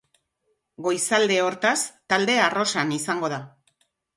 Goizalde, hortaz, talde arrosan izango da.